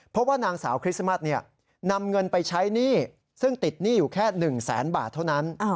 เพราะว่านางสาวคริสต์มัสนำเงินไปใช้หนี้ซึ่งติดหนี้อยู่แค่๑แสนบาทเท่านั้น